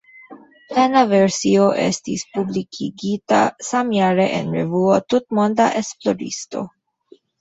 Plena versio estis publikigita samjare en revuo "Tutmonda esploristo".